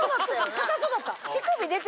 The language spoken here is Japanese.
硬そうだった。